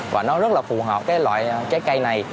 và nó rất là phù hợp với loại trái cây này